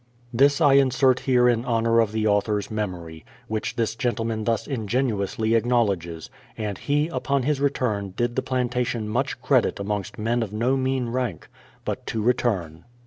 This I Insert here in honour of the author's memory, which this gentleman thus ingenuously acknowledges ; and he, upon his return, did the plantation much credit amongst men of no mean rank. But to return.